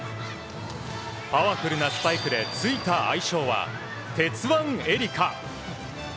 パワフルなスパイクでついた愛称は鉄腕エリカ。